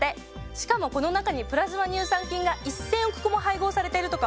しかもこの中にプラズマ乳酸菌が１，０００億個も配合されてるとか。